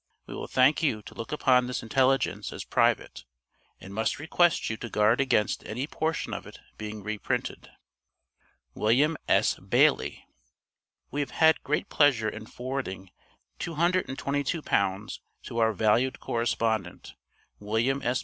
We will thank you to look upon this intelligence as private, and must request you to guard against any portion of it being reprinted. WILLIAM S. BAILEY. We have had great pleasure in forwarding £222 to our valued correspondent, William S.